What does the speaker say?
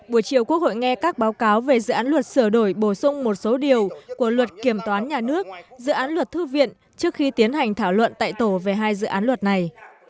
buổi chiều quốc hội nghe các báo cáo về dự án luật sửa đổi bổ sung một số điều của luật kiểm toán nhà nước dự án luật thư viện trước khi tiến hành thảo luận tại tổ về hai dự án luật này